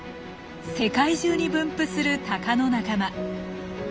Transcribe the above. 世界中に分布するタカの仲間。